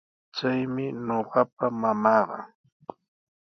Chaymi ñuqapa mamaaqa.